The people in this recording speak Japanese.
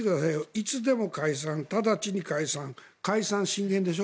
いつでも解散、直ちに解散解散、進言でしょ。